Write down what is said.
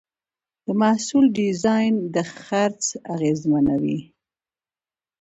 د محصول ډیزاین د خرڅ اغېزمنوي.